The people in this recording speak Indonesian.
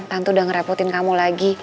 tante udah ngerepotin kamu lagi